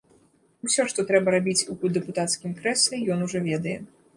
Усё, што трэба рабіць у дэпутацкім крэсле, ён ужо ведае.